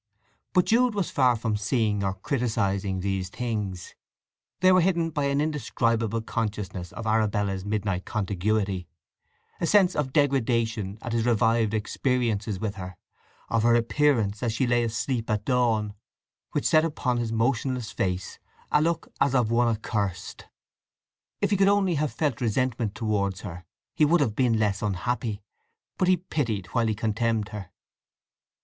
But Jude was far from seeing or criticizing these things; they were hidden by an indescribable consciousness of Arabella's midnight contiguity, a sense of degradation at his revived experiences with her, of her appearance as she lay asleep at dawn, which set upon his motionless face a look as of one accurst. If he could only have felt resentment towards her he would have been less unhappy; but he pitied while he contemned her.